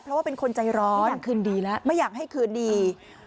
เพราะว่าเป็นคนใจร้อนไม่อยากให้คืนดี